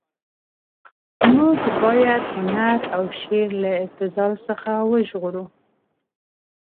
موږ باید هنر او شعر له ابتذال څخه وژغورو.